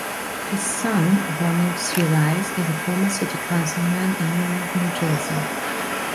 His son, Ronald C. Rice, is a former city councilman in Newark, New Jersey.